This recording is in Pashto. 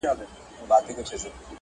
که مي دوی نه وای وژلي دوی وژلم!.